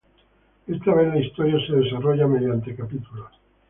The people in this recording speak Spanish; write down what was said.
Esta vez la historia se desarrollara mediante capítulos.